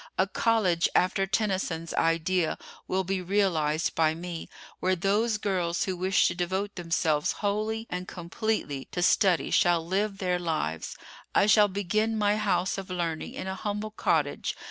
A college after Tennyson's idea will be realized by me, where those girls who wish to devote themselves wholly and completely to study shall live their lives. I shall begin my house of learning in a humble cottage.